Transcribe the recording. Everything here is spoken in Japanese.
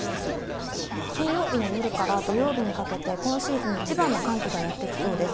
金曜日の夜から土曜日にかけて、今シーズン一番の寒気がやって来そうです。